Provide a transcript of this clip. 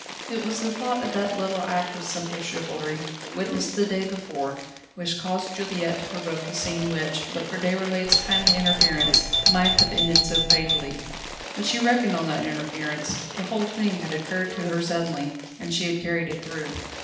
It was the thought of that little act of simple chivalry, witnessed the day before, which caused Juliette to provoke the scene which, but for Déroulède's timely interference, might have ended so fatally. But she reckoned on that interference: the whole thing had occurred to her suddenly, and she had carried it through.